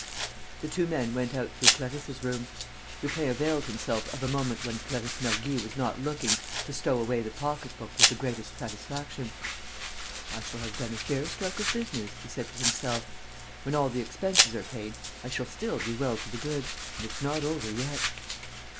The two men went out through Clarisse's room. Lupin availed himself of a moment when Clarisse Mergy was not looking to stow away the pocketbook with the greatest satisfaction: "I shall have done a fair stroke of business," he said to himself. "When all the expenses are paid, I shall still be well to the good; and it's not over yet."